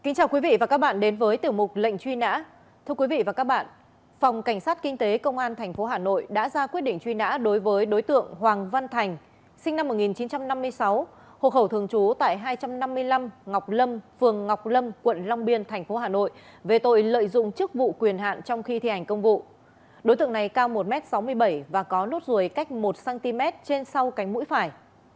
hãy đăng ký kênh để ủng hộ kênh của chúng mình nhé